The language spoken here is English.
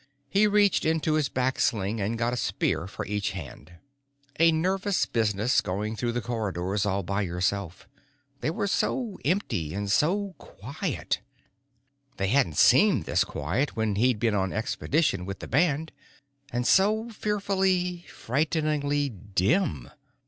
He reached into his back sling and got a spear for each hand. A nervous business going through the corridors all by yourself. They were so empty and so quiet. They hadn't seemed this quiet when he'd been on expedition with the band. And so fearfully, frighteningly dim.